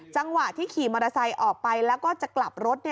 จังหวะที่ขี่มอเตอร์ไซค์ออกไปแล้วก็จะกลับรถ